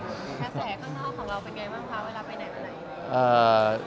กระแสข้างนอกของเราเป็นไงบ้างคะเวลาไปไหนไปไหน